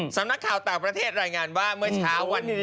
สำนักข่าวต่างประเทศรายงานว่าเมื่อเช้าวันนี้